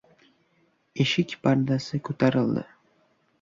Eshik pardasi ko‘tarildi.